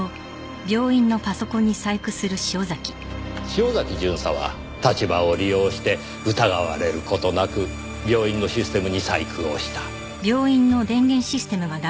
潮崎巡査は立場を利用して疑われる事なく病院のシステムに細工をした。